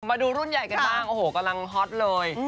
มาดูรุ่นใหญ่กันบ้างโอ้โหกำลังฮอตเลย